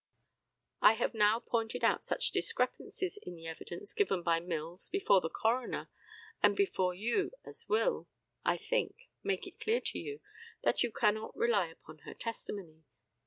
I have now pointed out such discrepancies in the evidence given by Mills before the coroner and before you as will, I think, make it clear to you that you cannot rely upon her testimony.